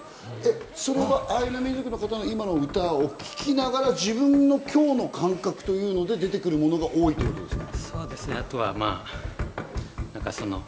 それはアイヌ民族の方の今の唄を聴きながら、自分の今日の感覚というので、出てくるものが多いということですか？